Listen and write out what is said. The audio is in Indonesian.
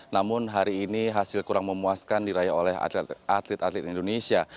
namun hari ini hasil kurang memuaskan dirayah oleh atlet atlet indonesia